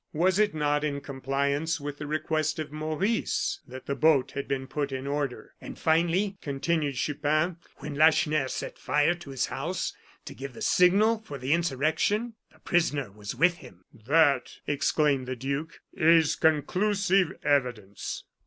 Was it not in compliance with the request of Maurice that the boat had been put in order? "And finally," continued Chupin, "when Lacheneur set fire to his house to give the signal for the insurrection, the prisoner was with him." "That," exclaimed the duke, "is conclusive evidence."